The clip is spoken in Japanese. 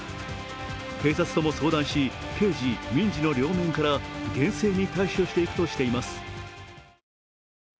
警察とも相談し、刑事・民事の両面から厳正に対処していくとしています。